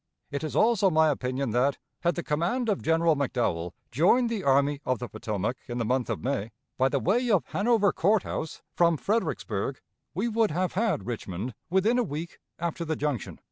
It is also my opinion that, had the command of General McDowell joined the Army of the Potomac in the month of May, by the way of Hanover Court House, from Fredericksburg, we would have had Richmond within a week after the junction."